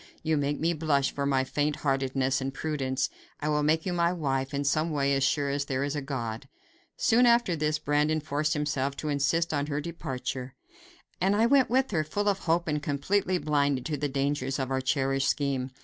You make me blush for my faint heartedness and prudence. I will make you my wife in some way as sure as there is a God." Soon after this Brandon forced himself to insist on her departure, and I went with her, full of hope and completely blinded to the dangers of our cherished scheme.